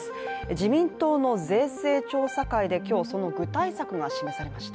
自民党の税制調査会で今日、その具体策が示されました。